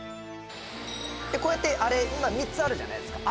こうやって今３つあるじゃないですか